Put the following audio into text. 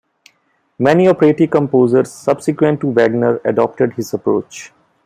Many operatic composers subsequent to Wagner adopted his approach.